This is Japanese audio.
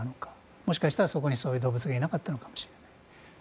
もしかしたらそこにそういう動物がいなかったのかもしれない。